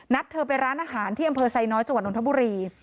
เธอไปร้านอาหารที่อำเภอไซน้อยจังหวัดนทบุรี